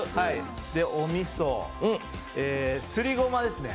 おみそ、すりごまですね。